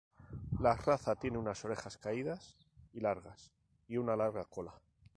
La raza tiene unas orejas caídas y largas y una cola larga.